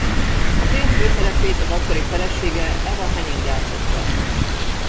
A film főszerepét az akkori felesége Eva Henning játszotta.